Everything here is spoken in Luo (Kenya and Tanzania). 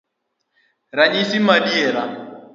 Ranyisi maadiera